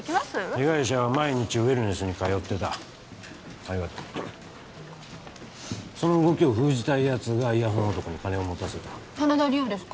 被害者は毎日ウェルネスに通ってたありがとうその動きを封じたいやつがイヤホン男に金を持たせた真田梨央ですか？